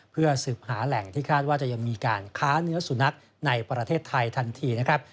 เพื่อสืบหาแหล่งที่คาดว่าจะยังมีการค้าเนื้อสุนัขในประเทศไทยทันทีนะครับ